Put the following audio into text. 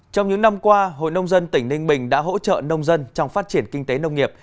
trong những năm qua hội nông dân tỉnh ninh bình đã hỗ trợ nông dân trong phát triển kinh tế nông nghiệp